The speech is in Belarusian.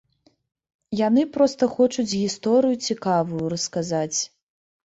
Яны проста хочуць гісторыю цікавую расказаць.